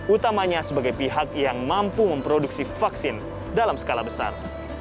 utamanya sebagai pihak yang mampu memproduksi vaksin dalam skala besar